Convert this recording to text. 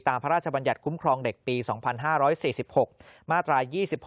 พระราชบัญญัติคุ้มครองเด็กปี๒๕๔๖มาตรา๒๖